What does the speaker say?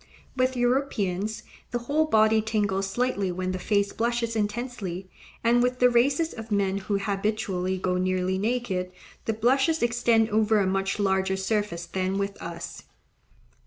With Europeans the whole body tingles slightly when the face blushes intensely; and with the races of men who habitually go nearly naked, the blushes extend over a much larger surface than with us.